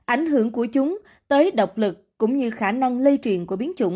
ảnh hưởng của chúng tới độc lực cũng như khả năng lây truyền của biến chủng